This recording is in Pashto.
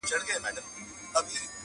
ګیدړ سمدستي پنیر ته ورحمله کړه!!